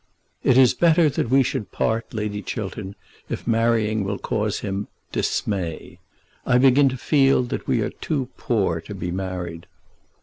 "It is better that we should part, Lady Chiltern, if marrying will cause him dismay. I begin to feel that we are too poor to be married."